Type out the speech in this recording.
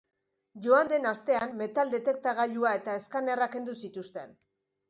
Joan den astean metal detektagailua eta eskanerra kendu zituzten.